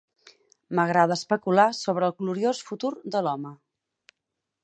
M'agrada especular sobre el gloriós futur de l'home.